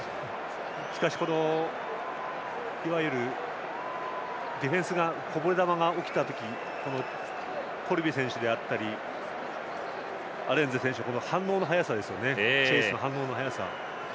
しかし、いわゆるディフェンスがこぼれ球が起きた時コルビ選手であったりアレンザ選手の反応の早さですよね。